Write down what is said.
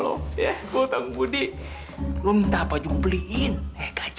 ayah bisa pakai gak